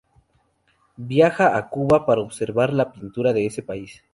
Viaja a Cuba para observar la pintura de ese país.